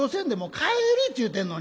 帰りっちゅうてんのに」。